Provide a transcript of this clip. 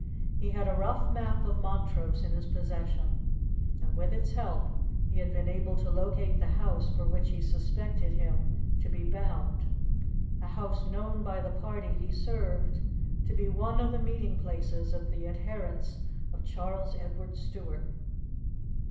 He had a rough map of Montrose in his possession, and with its help he had been able to locate the house for which he suspected him to be bound a house known by the party he served to be one of the meeting places of the adherents of Charles Edward Stuart.